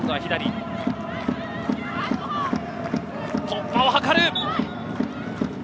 突破を図る。